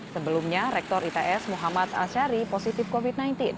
sebelumnya rektor its muhammad ashari positif covid sembilan belas